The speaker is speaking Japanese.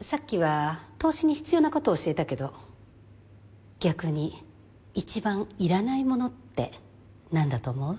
さっきは投資に必要なことを教えたけど逆に一番いらないものって何だと思う？